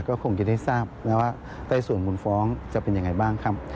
ก็คงจะได้ทราบแล้วว่าใต้ส่วนบุญฟ้องจะเป็นยังไงบ้างครับ